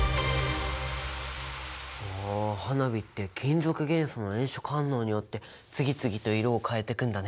ああ花火って金属元素の炎色反応によって次々と色を変えてくんだね。